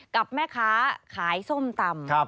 กับแม่ค้าขายส้มตำ